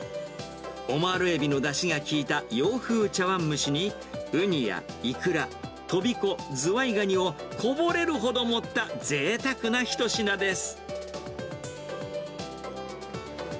オマールエビのだしが効いた洋風茶碗蒸しに、ウニやイクラ、トビコ、ズワイガニをこぼれるほど盛った、ぜいたくなひと品です。